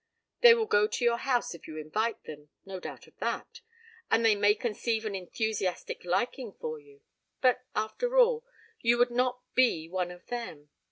They will go to your house if you invite them, no doubt of that; and they may conceive an enthusiastic liking for you. But after all, you would not be one of them.